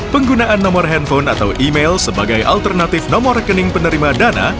penggunaan nomor handphone atau email sebagai alternatif nomor rekening penerima dana